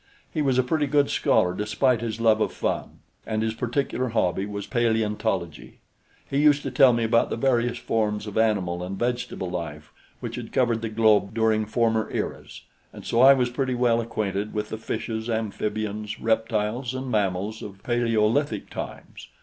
He was a pretty good scholar despite his love of fun, and his particular hobby was paleontology. He used to tell me about the various forms of animal and vegetable life which had covered the globe during former eras, and so I was pretty well acquainted with the fishes, amphibians, reptiles, and mammals of paleolithic times.